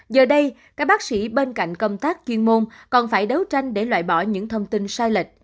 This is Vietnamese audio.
giờ đây các bác sĩ bên cạnh công tác chuyên môn còn phải đấu tranh để loại bỏ những thông tin sai lệch